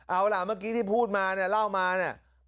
เอาล่ะเมื่อกี้ที่พูดมาเนี่ยเล่ามาเนี่ย